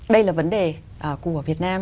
đây là vấn đề của việt nam